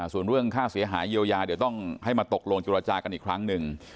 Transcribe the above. ส่วนเรื่องค่าเสียหายเยียวยาเดี๋ยวต้องให้มาตกลงจุรจากันอีกครั้งหนึ่ง